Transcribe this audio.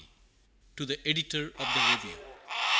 TO THE EDITOR OF THE REVIEW.